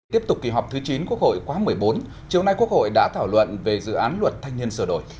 tiếp tục kỳ họp thứ chín quốc hội quá một mươi bốn chiều nay quốc hội đã thảo luận về dự án luật thanh niên sửa đổi